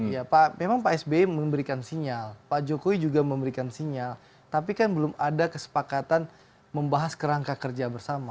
ya pak memang pak sby memberikan sinyal pak jokowi juga memberikan sinyal tapi kan belum ada kesepakatan membahas kerangka kerja bersama